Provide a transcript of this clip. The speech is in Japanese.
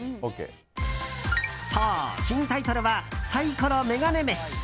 そう、新タイトルはサイコロメガネ飯。